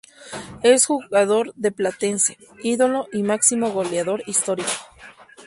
Es jugador de Platense, ídolo y máximo goleador histórico.